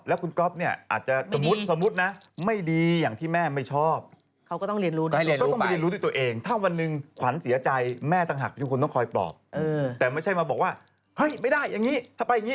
แต่ไม่ใช่มาบอกว่าไม่ได้อย่างนี้ถ้าไปอย่างนี้ฉันไม่ให้อะไรไป